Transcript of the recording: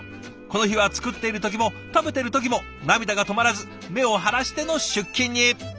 この日は作っている時も食べてる時も涙が止まらず目を腫らしての出勤に。